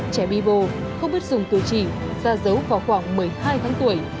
trẻ bì bồ không biết dùng từ chỉ ra dấu vào khoảng một mươi hai tháng tuổi